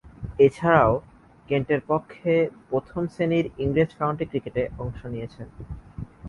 এছাড়াও, কেন্টের পক্ষে প্রথম-শ্রেণীর ইংরেজ কাউন্টি ক্রিকেটে অংশ নিয়েছেন।